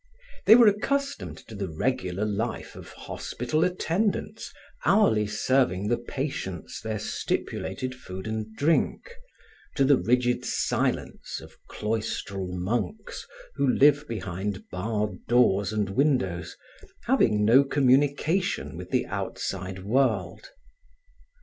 They were accustomed to the regular life of hospital attendants hourly serving the patients their stipulated food and drink, to the rigid silence of cloistral monks who live behind barred doors and windows, having no communication with the outside world.